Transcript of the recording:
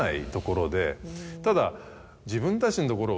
ただ。